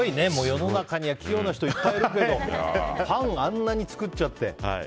世の中には器用な人がいっぱいいるけどパン、あんなに作っちゃって。